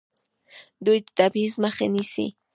دوی د تبعیض مخه نیسي.